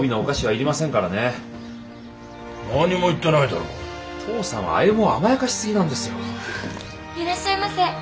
いらっしゃいませ。